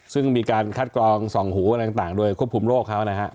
ซึ่งมีการคัดกรองส่องหูต่างโดยควบคุมโรคเขานะครับ